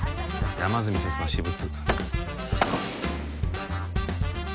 山住先生の私物